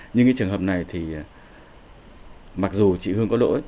nhưng cái trường hợp này thì mặc dù chị hương có lỗi